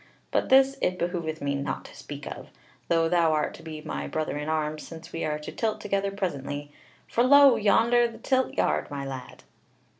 But this it behoveth me not to speak of, though thou art to be my brother in arms, since we are to tilt together presently: for lo! yonder the tilt yard, my lad."